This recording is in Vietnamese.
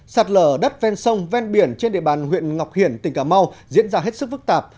sạt lở đất ven sông ven biển trên địa bàn huyện ngọc hiển tỉnh cà mau diễn ra hết sức phức tạp